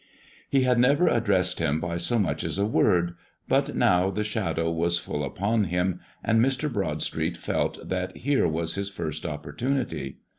He had never addressed him by so much as a word, but now the Shadow was full upon him, and Mr. Broadstreet felt that here was his first opportunity.